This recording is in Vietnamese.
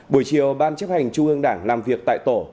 buổi chiều ban chấp hành trung ương đảng làm việc tại tổ